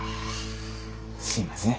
すいません。